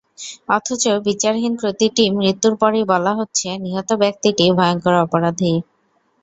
অথচ বিচারহীন প্রতিটি মৃত্যুর পরই বলা হচ্ছে, নিহত ব্যক্তিটি ভয়ংকর অপরাধী।